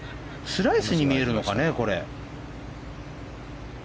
スライスに見えるのかね。